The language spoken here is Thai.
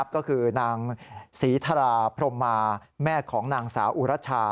ก็คือนางศรีธราพรมมาแม่ของนางสาวอุรชา